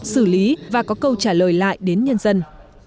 xử lý và có câu trả lời lại đến nhân dân